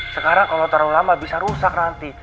sekarang kalau terlalu lama bisa rusak nanti